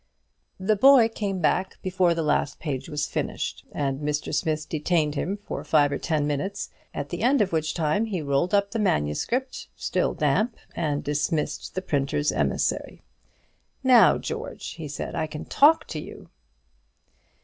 The boy came back before the last page was finished, and Mr. Smith detained him for five or ten minutes; at the end of which time he rolled up the manuscript, still damp, and dismissed the printer's emissary. "Now, George," he said, "I can talk to you."